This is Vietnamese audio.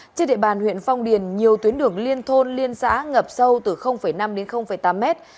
trên địa bàn huyện phong điền nhiều tuyến đường liên thôn liên xã ngập sâu từ năm đến tám mét